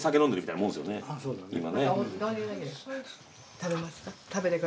食べますか？